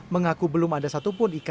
mengaku belum ada satupun ikn